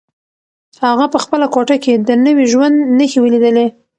هغه په خپله کوټه کې د نوي ژوند نښې ولیدلې.